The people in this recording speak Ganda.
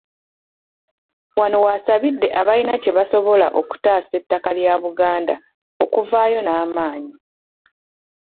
Wano w'asabidde abalina kye basobola okutaasa ettaka lya Buganda, okuvaayo n'amaanyi.